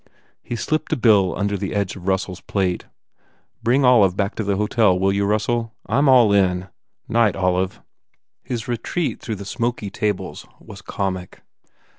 He slipped a bill under the edge of Russell s plate. "Bring Olive back to the hotel will you Russell? I m all in. Night, Olive." His retreat through the smoky tables was comic.